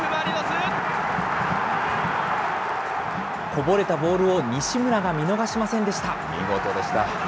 こぼれたボールを西村が見逃しませんでした。